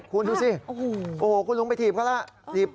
คุณดูสิโอ้โหคุณลุงไปถีบเขาแล้ว